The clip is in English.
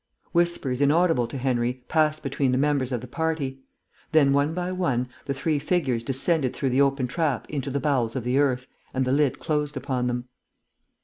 Whispers inaudible to Henry passed between the members of the party; then, one by one, the three figures descended through the open trap into the bowels of the earth, and the lid closed upon them.